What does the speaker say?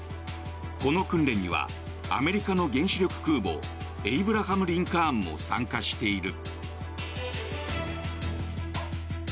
この訓練にはアメリカの原子力空母「エイブラハム・リンカーン」も参加している。